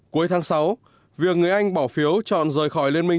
cuối tháng sáu việc người anh bỏ phiếu chọn rời khỏi liên minh